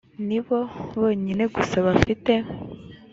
ni bo bonyine gusa bafite